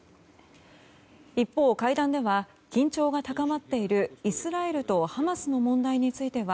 一方、会談では緊張が高まっているイスラエルとハマスの問題については